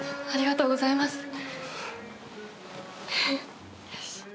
ありがとうございます。